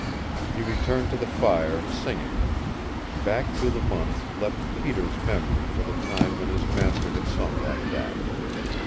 He returned to the fire, singing. Back through the months leapt Peter's memory to the time when his master had sung like that.